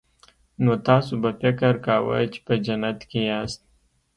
نو تاسو به فکر کاوه چې په جنت کې یاست